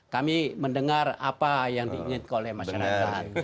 kami mendengar apa yang diinginkan oleh masyarakat